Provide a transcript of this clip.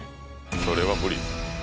それは無理。